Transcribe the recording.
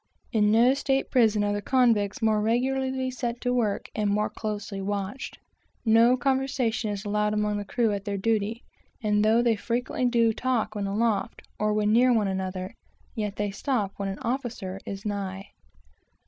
In no state prison are the convicts more regularly set to work, and more closely watched. No conversation is allowed among the crew at their duty, and though they frequently do talk when aloft, or when near one another, yet they always stop when an officer is nigh.